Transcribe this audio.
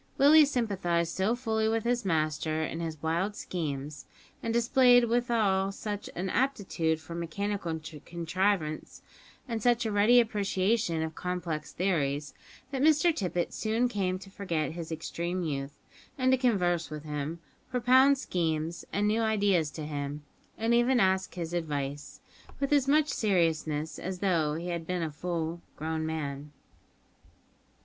Willie sympathised so fully with his master in his wild schemes, and displayed withal such an aptitude for mechanical contrivance, and such a ready appreciation of complex theories, that Mr Tippet soon came to forget his extreme youth, and to converse with him, propound schemes and new ideas to him, and even to ask his advice; with as much seriousness as though he had been a full grown man.